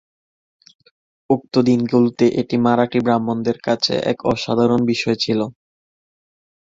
উক্ত দিনগুলোতে এটি মারাঠি ব্রাহ্মণদের কাছে এক অসাধারণ বিষয় ছিল।